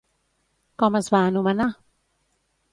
Com es va anomenar?